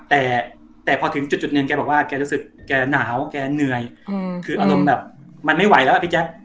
แต่แต่พอถึงจุดหนึ่งแกบอกว่าแกรู้สึกแกหนาวแกเหนื่อยคืออารมณ์แบบมันไม่ไหวแล้วอะพี่แจ๊ค